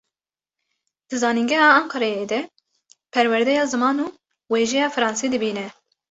Di zanîngeha Enqereyê de, perwerdeya ziman û wêjeya fransî dibîne.